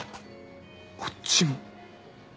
こっちも。